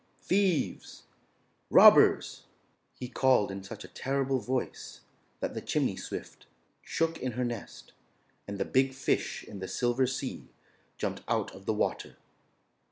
"Thieves! Robbers!" he called in such a terrible voice that the chimney swift shook in her nest, and the big fish in the Silver Sea jumped out of the water.